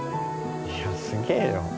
いやすげえよ